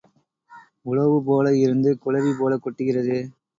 உளவு போல இருந்து குளவி போலக் கொட்டுகிறதா?